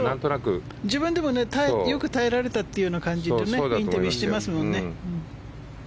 自分でもよく耐えられたという感じでインタビューしてますもんね。